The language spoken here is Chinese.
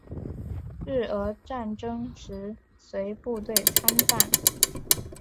日俄战争时随部队参战。